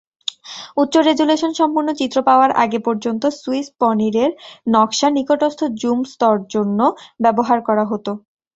উচ্চ-রেজল্যুশন সম্পূর্ণ চিত্র পাওয়ার আগে পর্যন্ত সুইস পনিরের নকশা নিকটস্থ জুম স্তর জন্য ব্যবহার করা হতো।